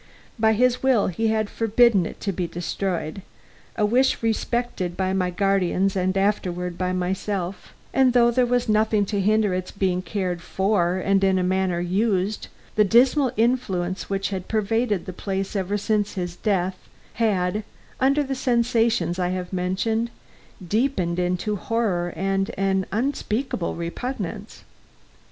By his will he had forbidden it to be destroyed a wish respected by my guardians and afterward by myself and though there was nothing to hinder its being cared for and in a manner used, the dismal influence which had pervaded the place ever since his death had, under the sensations I have mentioned, deepened into horror and an unspeakable repugnance.